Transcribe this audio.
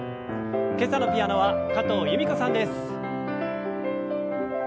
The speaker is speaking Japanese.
今朝のピアノは加藤由美子さんです。